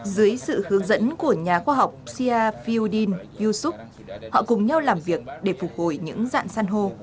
dưới sự hướng dẫn của nhà khoa học sia fiodin yusuf họ cùng nhau làm việc để phục hồi những dạng săn hô